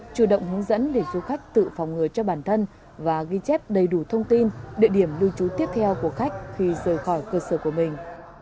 chủ động hướng dẫn để du khách tự phòng ngừa cho bản thân và ghi chép đầy đủ thông tin địa điểm lưu trú tiếp theo của khách khi rời khỏi cơ sở của mình